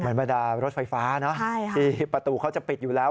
เหมือนบรรดารถวายฟ้าที่ประตูเขาจะปิดอยู่แล้ว